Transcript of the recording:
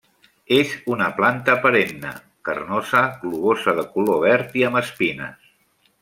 És una planta perenne carnosa, globosa de color verd i amb espines.